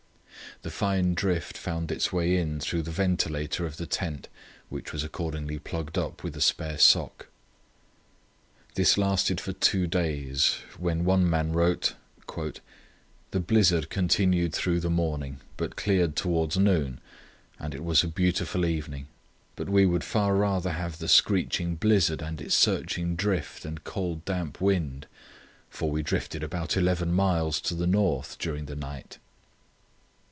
The fine drift found its way in through the ventilator of the tent, which was accordingly plugged up with a spare sock. This lasted for two days, when one man wrote: "The blizzard continued through the morning, but cleared towards noon, and it was a beautiful evening; but we would far rather have the screeching blizzard with its searching drift and cold damp wind, for we drifted about eleven miles to the north during the night."